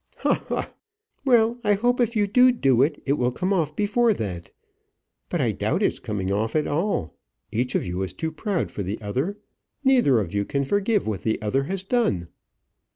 "Ha! ha! Well, I hope if you do do it, it will come off before that. But I doubt it's coming off at all. Each of you is too proud for the other. Neither of you can forgive what the other has done."